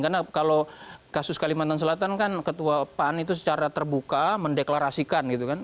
karena kalau kasus kalimantan selatan kan ketua pan itu secara terbuka mendeklarasikan gitu kan